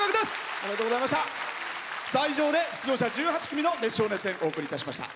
以上で出場者１８組の熱唱・熱演お送りいたしました。